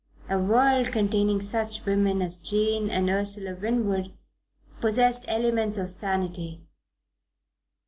A world containing such women as Jane and Ursula Winwood possessed elements of sanity.